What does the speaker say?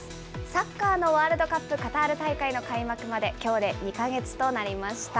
サッカーのワールドカップ、カタール大会の開幕まできょうで２か月となりました。